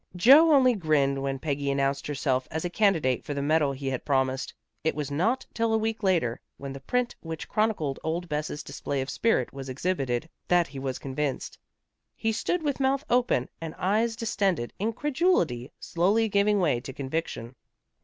Joe only grinned when Peggy announced herself as a candidate for the medal he had promised. It was not till a week later, when the print which chronicled old Bess's display of spirit was exhibited, that he was convinced. He stood with mouth open, and eyes distended, incredulity slowly giving way to conviction.